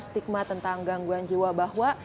stigma tentang gangguan jiwa bahwa